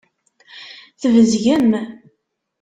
Tbezgem.